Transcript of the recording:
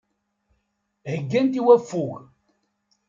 Heggant i waffug.